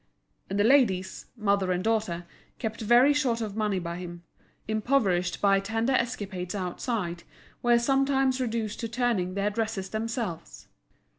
And the ladies, mother and daughter, kept very short of money by him, impoverished by tender escapades outside, were sometimes reduced to turning their dresses themselves.